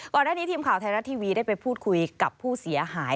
ก่อนหน้านี้ทีมข่าวไทยรัฐทีวีได้ไปพูดคุยกับผู้เสียหาย